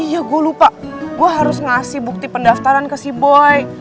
iya gue lupa gue harus ngasih bukti pendaftaran ke sea boy